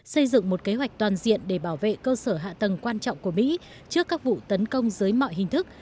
xây dựng một kế hoạch toàn diện để bảo vệ cơ sở hạ tầng quan trọng của mỹ trước các vụ tấn công dưới mọi hình thức